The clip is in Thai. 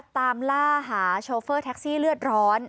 ตามล่าหาโชเฟอร์แท็กซี่เลือดร้อน